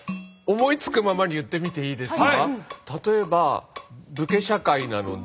思いつくままに言ってみていいですか？